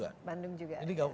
dari mana ini asalnya pak buas